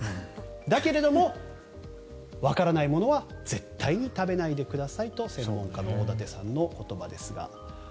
だけども、わからないものは絶対に食べないでくださいと専門家の大舘さんの言葉ですが。